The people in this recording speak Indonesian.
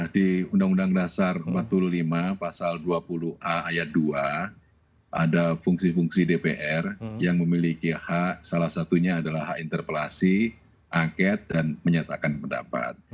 di undang undang dasar empat puluh lima pasal dua puluh a ayat dua ada fungsi fungsi dpr yang memiliki hak salah satunya adalah hak interpelasi angket dan menyatakan pendapat